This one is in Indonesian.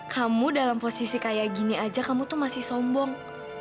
kamu dalam posisi kayak gini aja kamu tuh masih sombong